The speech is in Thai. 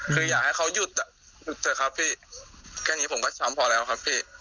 ถ้าย้อนเวลากลับไปได้